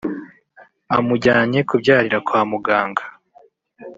amujyanye kubyarira kwa muganga